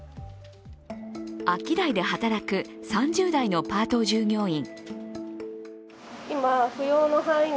アキダイで働く３０代のパート従業員。